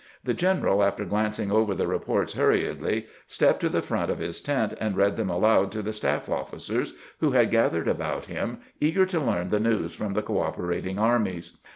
The general, after glanc ing over the reports hurriedly, stepped to the front of his tent, and read them aloud to the staff officers, who had gathered about him, eager to learn the news from the cooperating armies.